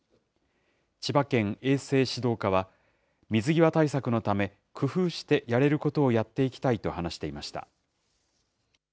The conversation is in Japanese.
千葉県衛生指導課は、水際対策のため、工夫してやれることをやっていきたいと話していました。